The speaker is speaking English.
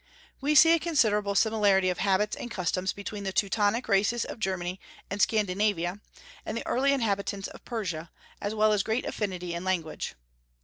We see a considerable similarity of habits and customs between the Teutonic races of Germany and Scandinavia and the early inhabitants of Persia, as well as great affinity in language.